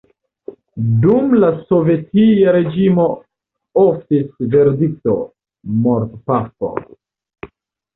Dum la sovetia reĝimo oftis verdikto “mortpafo.